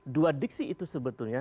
dua diksi itu sebetulnya